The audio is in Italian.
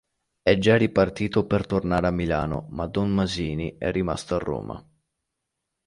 È già ripartito per tornare a Milano ma don Masini è rimasto a Roma.